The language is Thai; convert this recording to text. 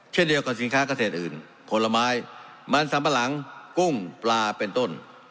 เช่นเดียวกับสินค้าเกษตรอื่นผลไม้มันสัมปะหลังกุ้งปลาเป็นต้น